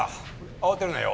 慌てるなよ。